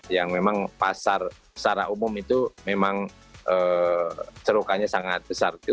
yang memang pasar secara umum itu memang cerukannya sangat besar